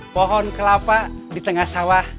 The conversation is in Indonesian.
pohon kelapa di tengah sawah